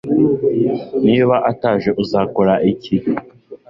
Niba ataje uzakora iki